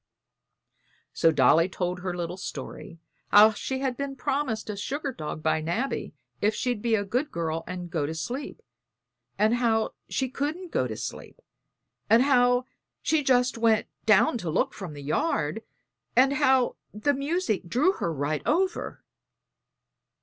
So Dolly told her little story, how she had been promised a sugar dog by Nabby if she'd be a good girl and go to sleep, and how she couldn't go to sleep, and how she just went down to look from the yard, and how the music drew her right over.